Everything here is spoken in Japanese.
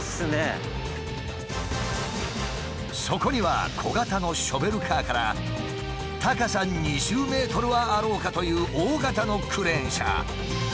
そこには小型のショベルカーから高さ２０ｍはあろうかという大型のクレーン車。